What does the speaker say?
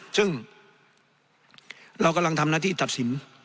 ซึ่งเรากำลังทำหน้าที่ตัดสิน